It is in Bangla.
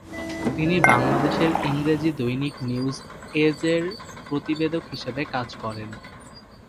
তিনি বাংলাদেশের ইংরেজি দৈনিক নিউজ এজ -এর প্রতিবেদক হিসেবে কাজ করেন।